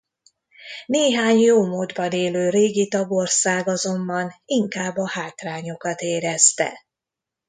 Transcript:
Néhány jómódban élő régi tagország azonban inkább a hátrányokat érezte.